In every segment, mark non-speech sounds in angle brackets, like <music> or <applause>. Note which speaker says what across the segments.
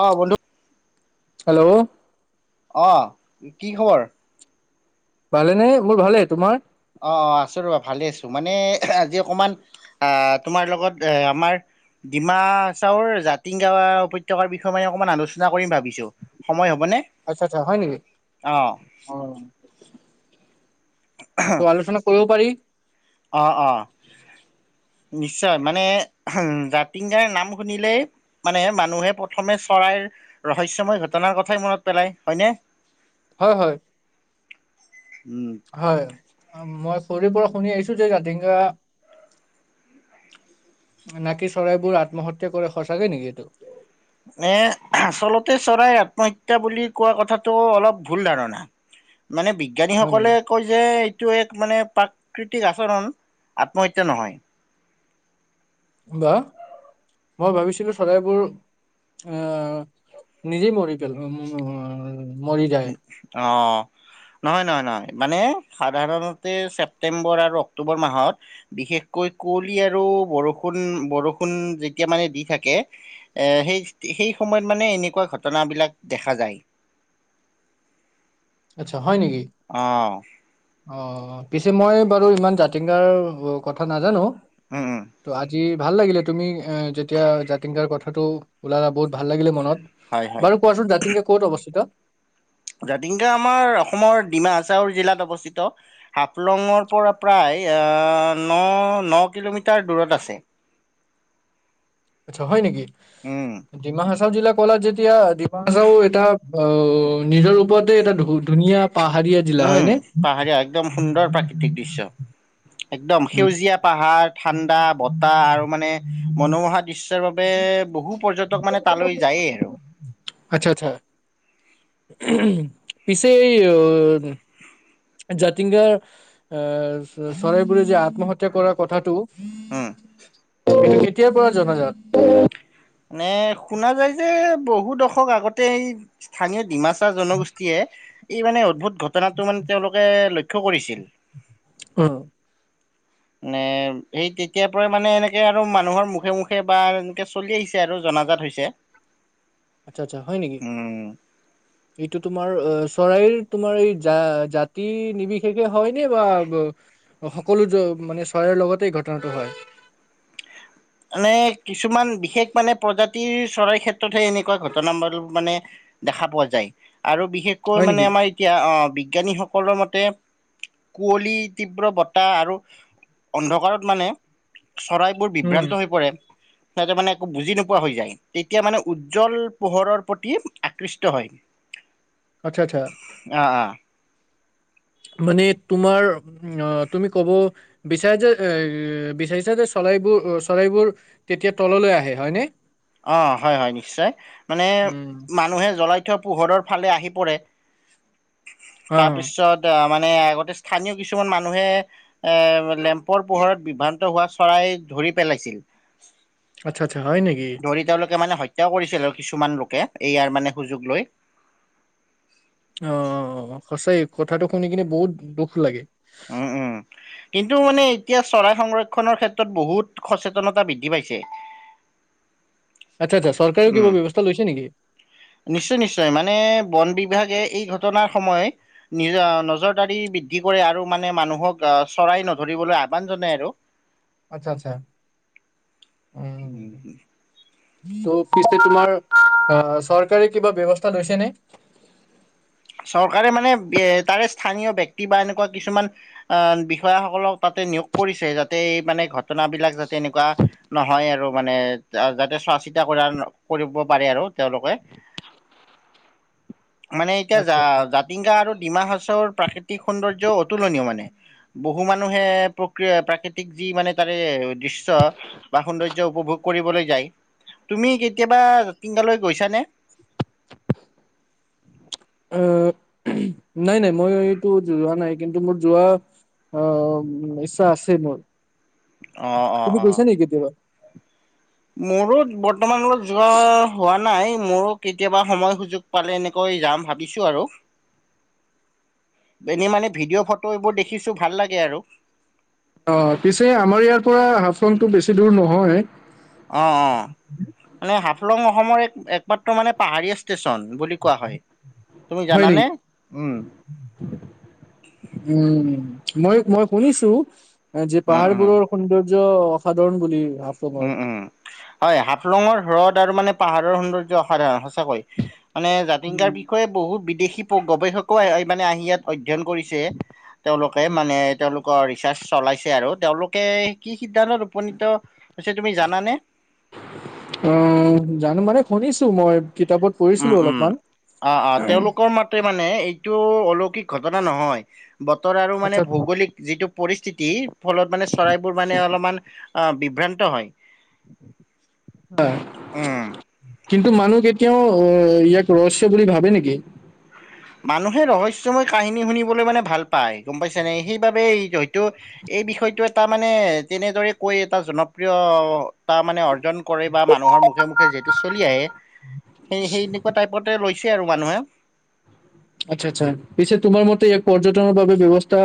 Speaker 1: অ বোলোঁ
Speaker 2: হেল্ল'
Speaker 1: অ কি খবৰ?
Speaker 2: ভালে নে মোৰ ভালে তোমাৰ?
Speaker 1: অ অ আছো ৰবা ভালে আছো মানে আজি অকমান আহ তোমাৰ লগত এ আমাৰ ডিমা চাওৰ জাতিং গা উপত্যাকাৰ বিষয়ে মানে অকমান আলোচনা কৰিম ভাবিছো সময় হ'বনে
Speaker 2: আচ্ছা আচ্ছা হয় নেকি
Speaker 1: অ
Speaker 2: অ <inaudible> সেতো আলোচনা কৰো পাৰি
Speaker 1: অঁ অঁ নিশ্চয় মানে জাতিংগাৰ নাম শুনিলেই মানে মানুহে প্ৰথমে চৰাইৰ ৰহস্যময় ঘটনাৰ কথাই মনত পেলায় হয়নে?
Speaker 2: হয় হয়
Speaker 1: উম
Speaker 2: হয় মই সৰিব শুনি আহিছো যে জাটিংগা নাকি চৰাইবোৰ আত্মহত্যা কৰে সঁচাকে নেকি এইটো?
Speaker 1: নে আচলতে চৰাই আত্মহত্যা বুলি কোৱা কথাটো অলপ ভুল ধাৰণা। মানে
Speaker 2: হয় নেকি
Speaker 1: বিজ্ঞানীসকলে কয় যে এইটো এক মানে পাক প্ৰাকৃতিক আচৰণ আত্মহত্যা নহয়।
Speaker 2: বা মই ভাবিছিলো চৰাইবোৰ আহ নিজেই মৰি পেলো আ
Speaker 1: অ নহয় নহয় নহয় মানে সাধাৰণতে ছেপ্তেম্বৰ আৰু অক্টোবৰ মাহত বিশেষকৈ কুৱলি আৰু বৰষুণ বৰষুণ যেতিয়া মানে দি থাকে এ সেই সেই সময়ত মানে এনেকুৱা ঘটনা বিলাক দেখা যায়।
Speaker 2: আচ্ছা হয় নেকি
Speaker 1: অঁ
Speaker 2: অ পিছে মই বাৰু ইমান জাতিংগাৰ কথা নাজানো।
Speaker 1: উম, উম,
Speaker 2: তো আজি ভাল লাগিলে তুমি এ যেতিয়া জাতিংকাৰা কথাটো ওলালা বহুত ভাল লাগিলে
Speaker 1: হয়,
Speaker 2: মনত।
Speaker 1: হয়।
Speaker 2: বাৰু কোৱাচোন জাতিংগা ক'ত অৱস্থিত?
Speaker 1: জাত তিংগা আমাৰ অসমৰ ডিমা হাচাউও জিলাত অৱস্থ স্থিত হাফলঙৰ পৰা প্ৰায় ন ন কিলোমিটাৰ দূৰত আছে।
Speaker 2: আচ্ছা হয় নেকি
Speaker 1: উম।
Speaker 2: ডিমা হাচা জিলা কলা যেতিয়া ডিমা হাছাও এটা নিজৰ ওপৰতে এটা ধু ধুনীয়া পাহাৰীয়া জিলা হয়নে?
Speaker 1: উম পাহাৰীয়া একদম সুন্দৰ প্ৰাকৃতিক দৃশ্য। একদম
Speaker 2: উম
Speaker 1: সেউজীয়া পাহাৰ ঠাণ্ডা বতাহ আৰু মানে মনোমোহা দৃশ্যৰ বাবে বহু পৰ্যটক মানে তালৈ যায়েই আৰু।
Speaker 2: আচ্ছা আচ্ছা পিছে এই জাতিংগাৰ আহ চৰাইবোৰে যে আত্মহত্যা কৰাৰ কথাটো
Speaker 1: হুম
Speaker 2: এইটো কেতিয়াৰ পৰা জনাজাত?
Speaker 1: নে শুনা যায় যে বহু দশক আগতে এই স্থানীয় ডিমাছ এটা জনগোষ্ঠীয়ে এই মানে অদ্ভুত ঘটনাটো মানে তেওঁলোকে লক্ষ্য কৰিছিল
Speaker 2: অ
Speaker 1: নে সেই তেতিয়াৰ পৰাই মানে এনেকৈ আৰু মানুহৰ মুখে মুখে বা এনেকে চলি আহিছে আৰু জনাজাত হৈছে।
Speaker 2: আচ্ছা আচ্ছা হয় নেকি
Speaker 1: উম।
Speaker 2: এইটো তোমাৰ চৰাইৰ তোমাৰ এই জা জাতি নিৰ্বিশেষে হয় নে বা সকলো মানে চৰাইৰ লগতে ঘটনাটো হয়
Speaker 1: মানে কিছুমান বিশেষ মানে প্ৰজাতিৰ চৰাইৰ ক্ষেত্ৰতহে এনেকুৱা ঘটনাবোৰ মানে দেখা পোৱা যায়। আৰু বিশেষকৈ
Speaker 2: হয়
Speaker 1: মানে
Speaker 2: নেকি?
Speaker 1: আমাৰ এতিয়া অঁ বিজ্ঞানীসকলৰ মতে কুঁৱলী তীব্ৰ বতাহ আৰু অন্ধকাৰত মানে চৰাইবোৰ
Speaker 2: উম
Speaker 1: বিভ্ৰান্ত তাতে মানে একো বুজি নোপোৱা হৈ যায় তেতিয়া মানে উজ্জ্বল পোহৰৰ প্ৰতি আকৃষ্ট হয়।
Speaker 2: আচ্ছা আচ্ছা
Speaker 1: অ অ
Speaker 2: মানে তোমাৰ তুমি ক'ব বিচৰা যে চৰাইবোৰ চৰাইবোৰ তেতিয়া তললৈ আহে হয়নে।
Speaker 1: অ হয় হয় নিশ্চয় মানে
Speaker 2: উম,
Speaker 1: মানুহে জ্বলাই থোৱা পোহৰৰ ফালে আহি। পৰে
Speaker 2: অ'
Speaker 1: তাৰপিছত, আমা মানে আগতে স্থানীয় কিছুমান মানুহে, এ লেম্পৰ পোহৰত বিভ্ৰান্ত হোৱা চৰাই ধৰি পেলাইছিল।
Speaker 2: আচ্চা আচ্চা হয় নেকি?।
Speaker 1: ত্য কৰিছিল আৰু কিছুমান লোকে, এইয়াৰ মানে সুযোগ লৈ।
Speaker 2: অ' সঁচাই কথাটো শুনি কিনে বহুত দুখ লাগে।
Speaker 1: উম, উম, কিন্তু মানে এতিয়া চৰাই সংৰক্ষনৰৰ ক্ষেত্ৰত বহুত সচেতনতা বৃদ্ধি পাইছে।
Speaker 2: আচ্ছা-আচ্ছা চৰকাৰেও কিবা ব্যৱস্থা লৈছে নেকি?।
Speaker 1: নিশ্চয়-নিশ্চয় মানে বন বিভাগে এই ঘটনা, সময় অ, নজৰদাৰি বৃদ্ধি কৰে আৰু মানে মানুহক চৰাই নধৰিবলৈ আহ্বান জনায় আৰু।
Speaker 2: আচ্ছা-আচ্ছা, উম। <unintelligible> তোমাৰ, আ', চৰকাৰে কিবা ব্যৱস্থা লৈছেনে?।
Speaker 1: চৰকাৰে মানে বিয়ে-তাৰে স্থানীয় ব্যক্তি বা এনেকুৱা কিছুমান আ', বিষয়াসকলক তাতে নিয়োগ কৰিছে, যাতে এই মানে ঘটনাবলাক যাতে এনেকুৱা নহয় আৰু মানে, যাতে চোৱা চিতা কৰে আৰু কৰিব পাৰে আৰু তেওঁলোকে <unintelligible> এতিয়া
Speaker 2: আচ্ছা আচ্ছা।
Speaker 1: জা-জাতিংগা আৰু ডিমাহাছাওৰ প্ৰাকৃতিক সৌন্দৰ্য্য অতুলনীয় মানে, বহু মানুহে প্ৰক-প্ৰাকৃতিক যি মানে তাৰে দৃশ্য, বা সৌন্দৰ্য উপভোগ কৰিবলৈ যায়, তুমি কেতিয়াবা জাতিংগালৈ গৈছা নে?
Speaker 2: অ, নাই-নাই মই এইটো যোৱা নাই, কিন্তু মোৰ যোৱাৰ আ, ইচ্ছা আছে মোৰ।
Speaker 1: অ অ
Speaker 2: তুমি
Speaker 1: অ
Speaker 2: গৈছা নি কেতিয়াবা?।
Speaker 1: মোৰো বৰ্ত বৰ্তমান অলত যোৱা হোৱা নাই মোৰ কেতিয়াবা সময় সুযোগ পালে এনেকৈ যাম ভাবিছোঁ আৰু। এনেই মানে ভিডিঅ' ফটো এইবোৰ দেখিছোঁ ভাল লাগে আৰু।
Speaker 2: অ', পিছে আমাৰ ইয়াৰ পৰা হাফলংটো বেছি দূৰ নহয়।
Speaker 1: অ', অ', মানে হাফলং অসমৰ এক-একমাত্ৰ মানে পাহাৰীয়া ষ্টেচন, বুলি কোৱা হয়। তুমি
Speaker 2: হয়
Speaker 1: জানানে
Speaker 2: নেকি?
Speaker 1: উম
Speaker 2: উম, মই-মই শুনিছো যে
Speaker 1: উম উম
Speaker 2: পাহাৰবোৰৰ সৌন্দৰ ৰ্য অসাধাৰণ বুলি। হাফলঙৰ।
Speaker 1: উম, উম। হয় হাফ ফ্লঙৰ হ্ৰদ আৰু মানে পাহাৰৰ সৌন্দৰ্য অসাধাৰণ, সঁচ কৈ, মানে জাতিংগাৰ বিষয়ে বহু বি দেশী ব-গৱেষকও মানে আহি ইয়াত অধ্যয়ন কৰিছে, তেওঁলোকে মানে তেওঁলোক কৰ ৰিচাৰ্চ চলাইছে আৰু, তেওঁলোকে কি সিদ্ধান্তত উপনীত হৈছে তুমি জানানে?
Speaker 2: অ', জানো মানে শুনিছো মই কিতাপত
Speaker 1: উম,
Speaker 2: পঢ়িছিলো
Speaker 1: উম,
Speaker 2: অলপমান।
Speaker 1: অ', অ। তেওঁলোকৰ মাতে মানে এইটো অলৌকিক ঘটনা নহয়। বতৰ আৰু মানে
Speaker 2: আচ্ছা।
Speaker 1: ভৌগোলিক যিটো পৰিস্থিতি, ফলত মানে চৰাইবোৰ মানে অলপমান বিভ্ৰান্ত হয় আহ
Speaker 2: কিন্তু মানুহ কেতিয়াও আহ ইয়াক ৰহস্য বুলি ভাবে নেকি?
Speaker 1: মানুহে ৰহস্যময় কাহিনী শুনিবলৈ মানে ভাল পায়। গম পাইছেনে, সেইবাবেেই হয়ো এই বিষয়টো তাৰমানে তেনেদৰে কৈ এটা জনপ্ৰিয়তা মানে অৰ্জন কৰে বা মানুহৰ মুখে মুখে যিহেতু চলি আহে, সেই সেই এনেকুৱা টাইপতে লৈছেই আৰু মানুহে
Speaker 2: আচ্ছা আচ্ছা পিছে তোমাৰ মতে এক পৰ্যটনৰ বাবে ব্যৱস্থা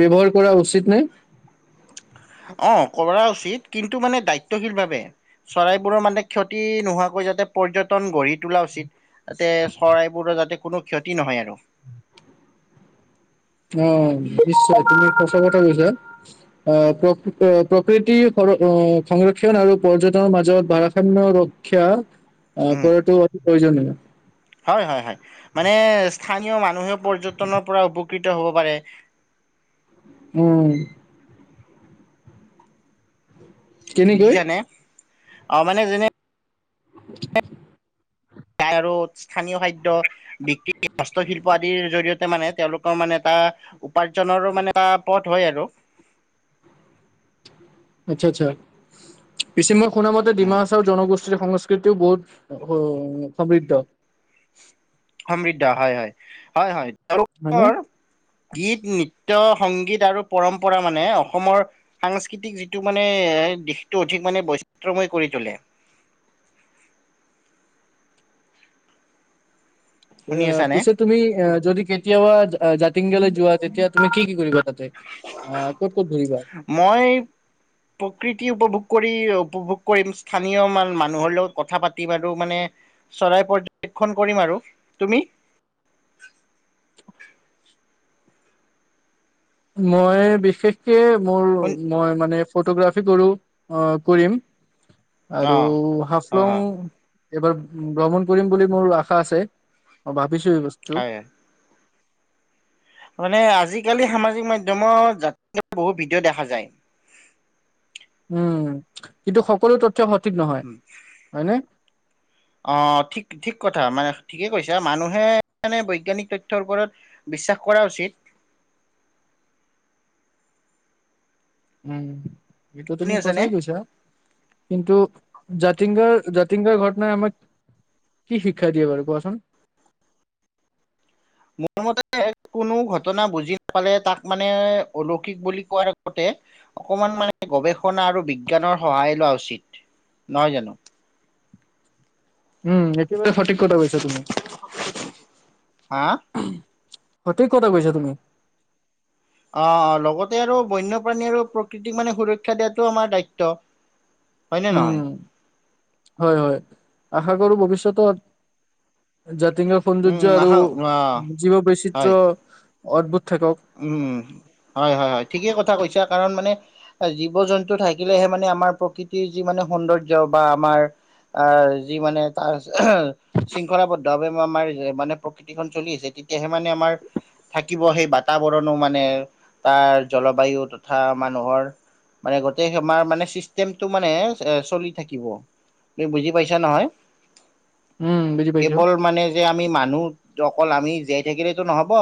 Speaker 2: ব্যৱহাৰ কৰা উচিত নে?
Speaker 1: অ কৰা উচিত। কিন্তু মানে দায়িত্বশীল ভাৱে, চৰাইবোৰৰ মানে ক্ষতি নোহোৱাকৈ যাতে পৰ্যটন গঢ়ি তোলা উচিত। তাতে চৰাইবোৰৰ যাতে কোনো ক্ষতি নহয় আৰু।
Speaker 2: অ নিশ্চয় তুমি কথা সঁচা কৈছা। আহ প্ৰ প্ৰকৃতিৰ সংৰক্ষণ আৰু পৰ্যটনৰ মাজত ভাৰাসাম্য ৰক্ষা অ
Speaker 1: উম
Speaker 2: কৰটো প্ৰয়োজন।
Speaker 1: হয় হয় হয় মানে স্থানীয় মানুহে পৰ্যটনৰ পৰা উপভোগ উপকৃত হ'ব পাৰে।
Speaker 2: উম কেনেকৈ
Speaker 1: বুজিছানে? অ মানে যেনে,
Speaker 2: <inaudible>
Speaker 1: তাই আৰু স্থানীয় খাদ্য বিক্ৰী, হস্তশিল্প আদিৰ জৰিয়তে মানে তেওঁলোকৰ মানে এটা উপাৰ্জনৰো মানে এটা পথ হয় আৰু।
Speaker 2: আচ্ছা আচ্ছা, পিছে মোক শুনা মতে
Speaker 1: উম
Speaker 2: ডিমাহাছাও জনগোষ্ঠীৰ সংস্কৃতি কৃতিও বহুত সমৃদ্ধ।
Speaker 1: সমৃদ্ধ হয় হয়, হয় হয়। <unintelligible>
Speaker 2: হয়নে
Speaker 1: গীত-নৃত্য-সংগীত আৰু পৰম্পৰা মানে অসমৰ সাংস্কৃতিক যিটো মানে, দিশটো অধিক মানে বৈচিত্ৰ্যময় কৰি তোলে।
Speaker 2: অ
Speaker 1: শুনি আছানে
Speaker 2: পিছে তুমি যদি কেতিয়াবা যাত টিংগৈ যোৱা তেতিয়া তুমি কি কি কৰিবা? তাতে আহ ক'ত ক'ত ঘূৰিবা
Speaker 1: মই প্ৰকৃতি উপভোগ কৰিৰ উপভোগ কৰিম স্থানীয় মানুহৰ লগত কথা পাতিম আৰু মানে চৰাই পৰ্যবেক্ষণ কৰিম আৰু। তুমি?
Speaker 2: মই বিশেষকে মোৰ
Speaker 1: শুন
Speaker 2: মই মানে ফটোগ্ৰাফী কৰোঁ, অঁ কৰিম।
Speaker 1: অ
Speaker 2: আৰু
Speaker 1: অ
Speaker 2: হাফলং
Speaker 1: হয়
Speaker 2: এইবাৰ ভ্ৰমণ কৰিম বুলি মোৰ আশা আছে, মই ভাব বিষয়বস্তু
Speaker 1: হয় মানে আজিকালি সামাজিক মাধ্যমত যাত্রা বহুত ভিডিঅ' দেখা যায়।
Speaker 2: উম, কিন্তু সকলো তত
Speaker 1: <inaudible> অঁ ঠিক ঠিক কথা মানে ঠিকে কৈছা মানুহে এনে বৈজ্ঞানিক তথ্যৰ ওপৰত বিশ্বাস কৰা উচিত।
Speaker 2: উম এইটো
Speaker 1: শুনি
Speaker 2: তুমি
Speaker 1: আছানে?
Speaker 2: সঁচাই কৈছা কিন্তু জাতিংগাৰ জাতিংগাৰ ঘটনাই, আমাক কি শিক্ষা দিয়ে বাৰু কোৱাচোন?
Speaker 1: মোৰ মতে, কোনো ঘটনা বুজি নাপালে তাক মানে, অলৌকিক বুলি কোৱাৰ আগতে অকমান মানে গৱেষ শনা আৰু বিজ্ঞানৰ সহায় লোৱা উচিত। <inaudible> নয় জানো?
Speaker 2: উম, সেইটো বাৰু সঠিক কথা কৈছ তুমি।
Speaker 1: হা
Speaker 2: সঠিক কথা কৈছা তুমি।
Speaker 1: অঁ অঁ লগতে আৰু বন্যপ্ৰাণী আৰু প্ৰকৃতিক মানে সুৰক্ষা দিয়টো আমাৰ দায়িত্ব। হয়নে
Speaker 2: উম,
Speaker 1: নহয়?
Speaker 2: হয় হয় আশা কৰো ভৱিষ্যতত, যাতে <unintelligible> সৌন্দৰ্য
Speaker 1: উম
Speaker 2: আৰু
Speaker 1: আশা অ'
Speaker 2: জীৱ বৈচিত্ৰ
Speaker 1: হয়।
Speaker 2: অদ্ভুত থাকক
Speaker 1: উম হয় হয় হয় ঠিকে কথা কৈছাক কাৰণ মানে জীৱ -জন্তু থাকিলেহে মানে আমাৰ প্ৰকৃতিৰ যি মানে সৌন্দৰ্য্য বা আমাৰ আঁহ যি মানে তাৰ শৃংখলাবদ্ধভাৱে আমাৰ মানে প্ৰকৃতিখন চলি আছে, তেতিয়াহে মানে আমাৰ থাকিব সেই বাট বাৰ্তাবৰণো মানে তাৰ জলবায়ু তথা মানুহৰ মানে গোটেই আমাৰ মানে চিষ্টেমটো মানে চলি থাকিব তুমি বুজি পাইছা নহয়।
Speaker 2: উম বুজি পাইছো
Speaker 1: কেৱল মানে যে আমি মানুহ অকল আমি জীয়াই থাকিলেতো নহব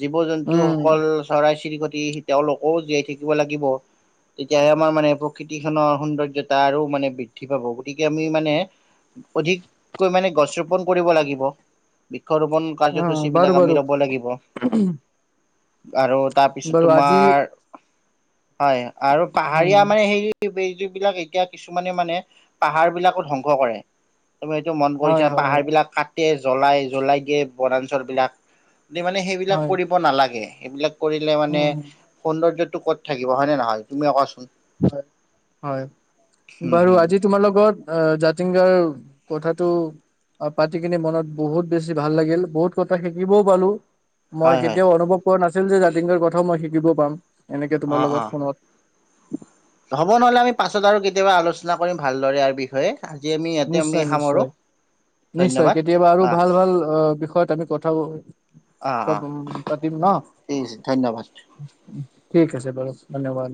Speaker 1: যিবোৰ টো
Speaker 2: উম
Speaker 1: সকল চৰাই কতি তেওঁলোকেও জীয়াই থাকিব লাগিব। তেতিয়াহে আমাৰ মানে প্ৰকৃতিখনৰ সৌন্দৰ্যতা আৰু মানে বৃদ্ধি পাব গতিকে আমি মানে, অধিককৈ মানে গছ ৰোপন কৰিব লাগিব। ৰুপন
Speaker 2: অ
Speaker 1: কাৰ্যসূচী
Speaker 2: বাৰু
Speaker 1: বিলাক আমি
Speaker 2: বাৰু
Speaker 1: ৰব লাগিব আৰু তাৰপিছত
Speaker 2: বাৰু আজি
Speaker 1: তোমাৰ হয় আৰু
Speaker 2: উম,
Speaker 1: পাহাৰীয়া মানে হেৰি এই বেইজুবিলাক এতিয়া কিছুমানে মানে পাহাৰবিলাকো ধ্বংস কৰে তুমি এইেইটো মন
Speaker 2: হয়,
Speaker 1: কৰিছা
Speaker 2: হয়,
Speaker 1: পাহাৰ বিলাক কাট জ্বলাই জ্বলাই দিয়ে বনাঞ্চল বিলাক মানে সেইবিলাক
Speaker 2: হয়,
Speaker 1: নালাগে সেইবিলাক কৰিলে মানে
Speaker 2: উম,
Speaker 1: সৌন্দৰ্য্য ক'ত থাকিব হয় নহয়, তুমি য়ে কোৱা চোন
Speaker 2: হয় হয়
Speaker 1: হুম
Speaker 2: বাৰু
Speaker 1: হুম
Speaker 2: আজি তোমাৰ লগত জাতিং গাৰ। কথাটো পাতি কিনে মনত বহুত বেছি ভাল লাগিল। বহুত কথা শিকিবও পালো। মই
Speaker 1: হয় হয়
Speaker 2: কেতিয়াও অনুভৱ কোৱা নাছিল যে, জাতিংগাৰ কথাও মই শিকিব পাম। এনেকে
Speaker 1: অ
Speaker 2: তোমাৰ
Speaker 1: অ
Speaker 2: লগত ফোনত।
Speaker 1: হ'ব নহ'লে। আমি পাছত আৰু কেতিয়াবা আলোচনা কৰিম ভালদৰে ইয়াৰ বিষয়ে। আজি আমি ইয়াতে আমি
Speaker 2: নিশ্চয়,
Speaker 1: সামৰো
Speaker 2: নিশ্চয়। নিশ্চয়,
Speaker 1: ধন্যবাদ
Speaker 2: কেতিয়াবা আৰু
Speaker 1: অ
Speaker 2: ভাল, ভাল অঁ'। বিষয়ত আমি কথাও।
Speaker 1: অ
Speaker 2: ত,
Speaker 1: অ
Speaker 2: উ পাতিম ন?
Speaker 1: ঠিক আছে ধন্যবাদ
Speaker 2: <unintelligible> ঠিক আছে বাৰু ধন্যবাদ।